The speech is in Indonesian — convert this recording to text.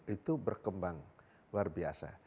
itu berkembang luar biasa